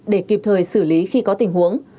để kịp thời xử lý khi có tình huống